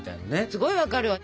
すごい分かるわ。